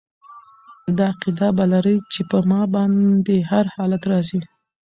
دا عقیده به لري چې په ما باندي هر حالت را ځي